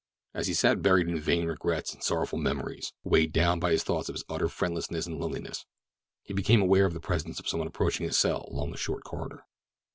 As he sat buried in vain regrets and sorrowful memories, weighed down by thoughts of his utter friendlessness and loneliness, he became aware of the presence of someone approaching his cell along the short corridor.